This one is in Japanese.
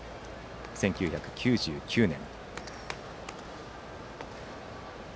１９９９年。